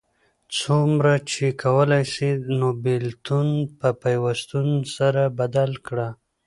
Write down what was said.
څومره چی کولای سې نو بیلتون په پیوستون سره بدل کړه